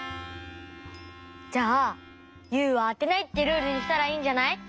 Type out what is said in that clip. じゃあ「ユウはあてない」ってルールにしたらいいんじゃない？